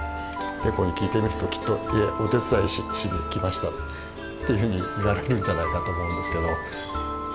ネコに聞いてみるときっとお手伝いしに来ましたっていうふうに言われるんじゃないかと思うんですけど。